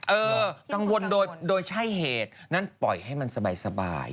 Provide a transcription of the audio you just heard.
เออกังวลโดยใช่เหตุนั้นปล่อยให้มันสบาย